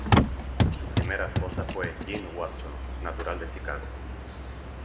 Su primera esposa fue Jeanne Watson, natural de Chicago.